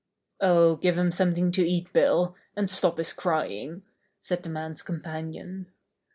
"Oh, give him something to eat. Bill, and stop his crying," said the man's companion.